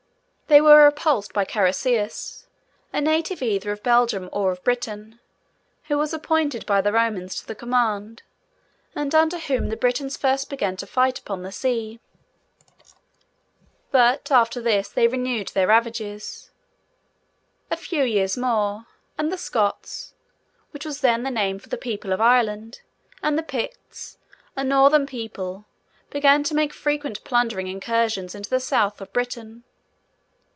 They were repulsed by Carausius, a native either of Belgium or of Britain, who was appointed by the Romans to the command, and under whom the Britons first began to fight upon the sea. But, after this time, they renewed their ravages. A few years more, and the Scots (which was then the name for the people of Ireland), and the Picts, a northern people, began to make frequent plundering incursions into the South of Britain.